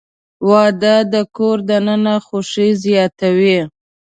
• واده د کور دننه خوښي زیاتوي.